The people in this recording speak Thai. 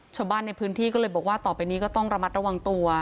ชาวบ้านในพื้นที่ก็เลยบอกว่าต่อไปนี้ก็ต้องระมัดระวังตัว